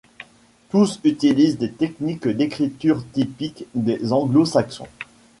Tous utilisent des techniques d'écritures typique des anglo-saxons.